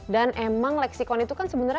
dan emang lexicon itu kan sebetulnya